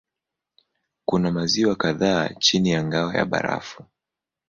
Kuna maziwa kadhaa chini ya ngao ya barafu.